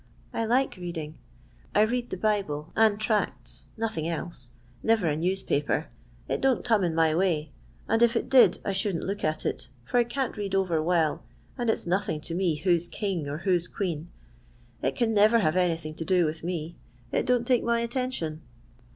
I like reading. I read the Bible and tracts, no thing else; never a newspaper. It don't come in my way, and if it did I shouldn't look at it, for I can't read over well and it 's nothing to me who 's king or who 's queen. It can never have anything to do with me. It don't take my attention.